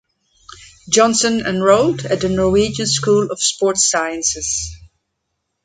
Johnsen enrolled at the Norwegian School of Sport Sciences.